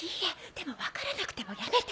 でも分からなくてもやめて。